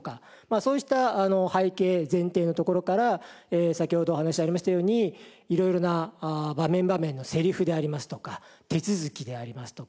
そうした背景前提のところから先ほどお話ありましたように色々な場面場面のセリフでありますとか手続きでありますとか。